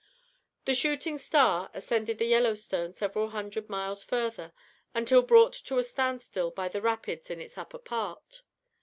The "Shooting Star" ascended the Yellowstone several hundred miles further, until brought to a stand still by the rapids in its upper part.